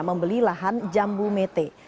membeli lahan jambu mete